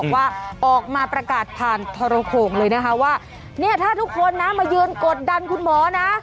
ว่าออกมาประกาศผ่านทรโขงเลยนะคะว่าเนี่ยถ้าทุกคนนะมายืนกดดันคุณหมอนะ